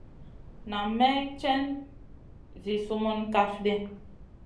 Nan may cèn zi sumun kaf ɗi.